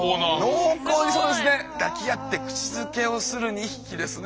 濃厚に抱き合って口づけをする２匹ですね。